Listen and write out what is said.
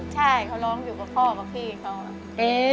ใช่เขาร้องอยู่กับพ่อกับพี่เขาอะ